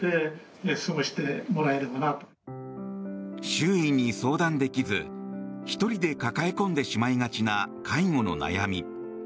周囲に相談できず１人で抱え込んでしまいがちな介護の悩み。